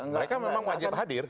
mereka memang wajib hadir